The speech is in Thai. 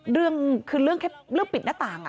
เรื่องคือเรื่องแค่เรื่องปิดหน้าต่าง